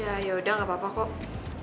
ya yaudah gapapa kok